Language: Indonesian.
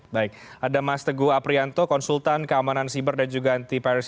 baik ada mas teguh aprianto konsultan keamanan siber dan juga anti peris